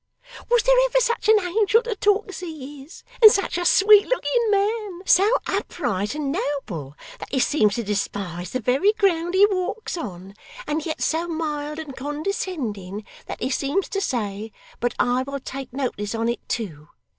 Was there ever such an angel to talk as he is and such a sweet looking man! So upright and noble, that he seems to despise the very ground he walks on; and yet so mild and condescending, that he seems to say "but I will take notice on it too."